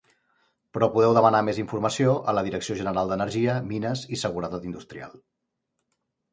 Però podeu demanar més informació a la Direcció General d'Energia, Mines i Seguretat Industrial.